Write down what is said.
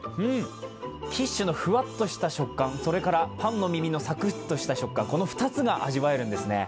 キッシュのふわっとした食感、それからパンの耳の食感、この２つが味わえるんですね。